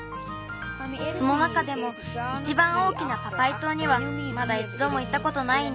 その中でもいちばん大きなパパイとうにはまだいちどもいったことないんだ。